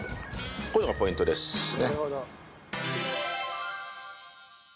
こういうのがポイントですね。